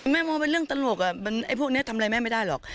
มองเป็นเรื่องตลกพวกนี้ทำอะไรแม่ไม่ได้หรอก